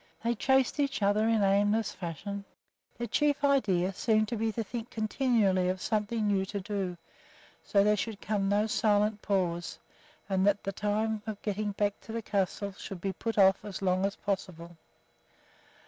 They chased each other in aimless fashion. Their chief idea seemed to be to think continually of something new to do, so that there should come no silent pause, and so that the time of getting back to the castle should be put off as long as possible.